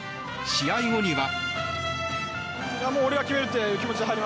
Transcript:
試合後には。